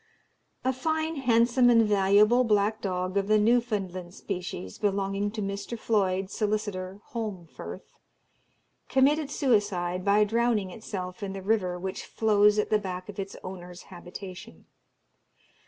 A fine, handsome, and valuable black dog of the Newfoundland species, belonging to Mr. Floyd, solicitor, Holmfirth, committed suicide by drowning itself in the river which flows at the back of its owner's habitation.